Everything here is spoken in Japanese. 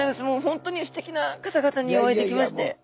もうほんとにすてきな方々にお会いできまして。